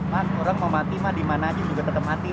mas orang mau mati mah dimana aja juga tetap mati